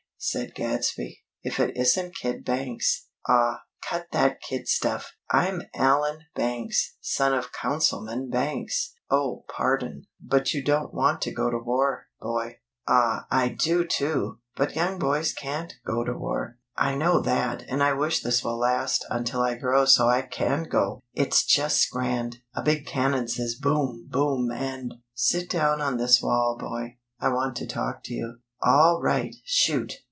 said Gadsby. "If it isn't Kid Banks!" "Aw! Cut that kid stuff! I'm Allan Banks! Son of Councilman Banks!" "Oh, pardon. But you don't want to go to war, boy." "Aw! I do too!!" "But young boys can't go to war." "I know that; and I wish this will last until I grow so I can go. It's just grand! A big cannon says Boom! Boom! and, " "Sit down on this wall, boy. I want to talk to you." "All right. Shoot!"